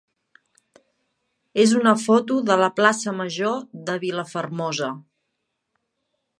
és una foto de la plaça major de Vilafermosa.